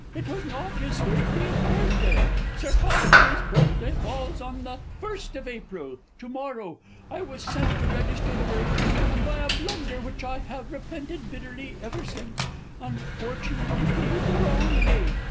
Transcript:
_ Hear me! It was not his thirteenth birthday; Sir Poshbury's birthday falls on the 1st of April to morrow! I was sent to register the birth, and, by a blunder, which I have repented bitterly ever since, unfortunately gave the wrong date.